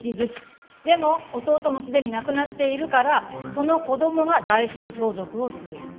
でも弟もすでに亡くなっているからその子供が代襲相続をする。